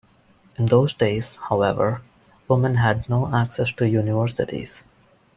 In those days, however, women had no access to universities.